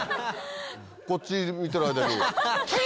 こっち見てる間にピュ！